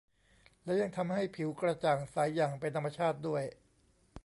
แล้วยังทำให้ผิวกระจ่างใสอย่างเป็นธรรมชาติด้วย